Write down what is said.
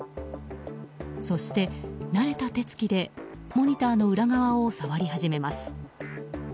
そして慣れた手つきでモニターの裏側を触り始めます。